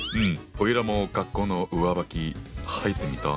おいらも学校の上履き履いてみたい！